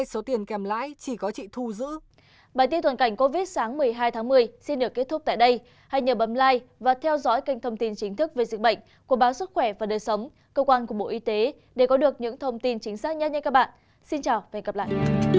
xin chào và hẹn gặp lại